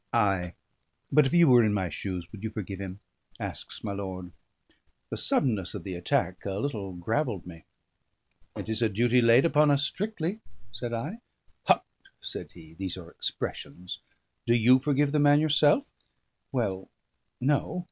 "Ay, but if you were in my shoes, would you forgive him?" asks my lord. The suddenness of the attack a little gravelled me. "It is a duty laid upon us strictly," said I. "Hut!" said he. "These are expressions! Do you forgive the man yourself?" "Well no!"